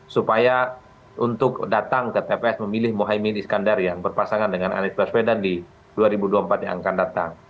supaya untuk datang ke tps memilih mohaimin iskandar yang berpasangan dengan anies baswedan di dua ribu dua puluh empat yang akan datang